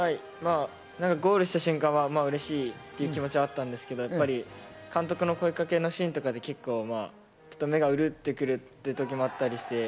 ゴールした瞬間は嬉しいという気持ちはあったんですけど、監督の声かけのシーンとかで結構、目がうるって来る時もあったりして。